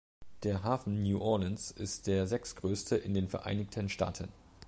Der Hafen New Orleans ist der sechstgrößte in den Vereinigten Staaten.